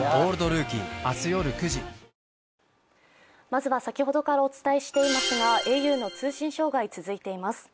まずは先ほどからお伝えしていますが、ａｕの通信障害、続いています。